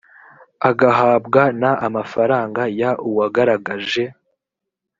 agahabwa n amafaranga y uwagaragaje